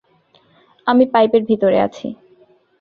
আমি পাইপের ভেতরে আছি।